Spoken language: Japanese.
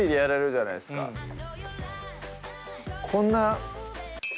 こんな。